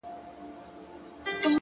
مهرباني د کینې دیوالونه نړوي!.